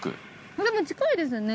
でも近いですね。